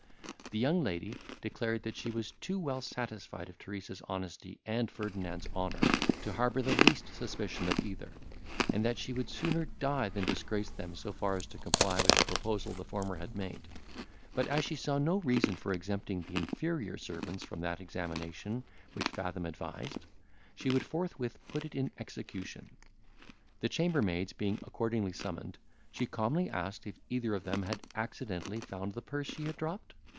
The young lady declared that she was too well satisfied of Teresa's honesty and Ferdinand's honour, to harbour the least suspicion of either, and that she would sooner die than disgrace them so far as to comply with the proposal the former had made; but as she saw no reason for exempting the inferior servants from that examination which Fathom advised, she would forthwith put it in execution. The chambermaids being accordingly summoned, she calmly asked if either of them had accidentally found the purse she had dropped?